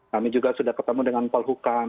kami juga sudah ketemu dengan polhukam